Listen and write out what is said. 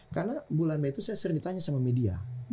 karena bulan mei itu saya sering ditanya sama media